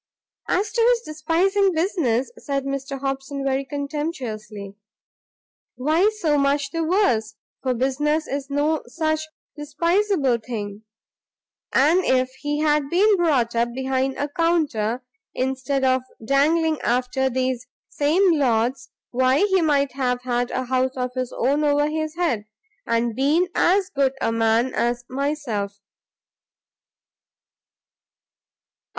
"As to his despising business," said Mr Hobson, very contemptuously, "why so much the worse, for business is no such despiseable thing. And if he had been brought up behind a counter, instead of dangling after these same Lords, why he might have had a house of his own over his head, and been as good a man as myself."